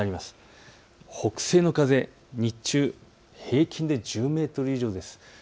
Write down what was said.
北西の風、日中、平均で１０メートル以上です。